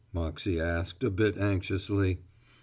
Moxey asked, a bit anxiously.